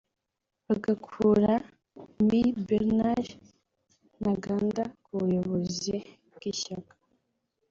bagakura Me Bernard Ntaganda ku buyobozi bw’ishyaka